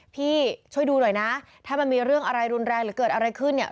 พี่ช่วยดูหน่อยนะถ้ามันมีเรื่องอะไรรุนแรงหรือเกิดอะไรขึ้นเนี่ย